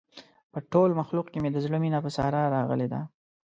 په ټول مخلوق کې مې د زړه مینه په ساره راغلې ده.